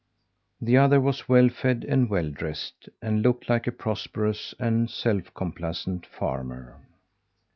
The other was well fed and well dressed, and looked like a prosperous and self complacent farmer.